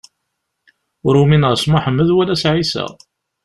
Ur umineɣ s Muḥemmed wala s Ɛisa.